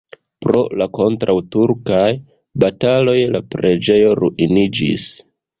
Pro la kontraŭturkaj bataloj la preĝejo ruiniĝis.